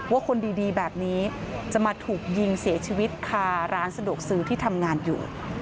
คนดีแบบนี้จะมาถูกยิงเสียชีวิตคาร้านสะดวกซื้อที่ทำงานอยู่